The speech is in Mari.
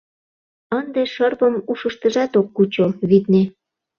Ынде шырпым ушыштыжат ок кучо, витне.